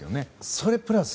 それプラス